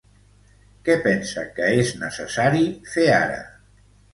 Què pensa que és necessari fer ara?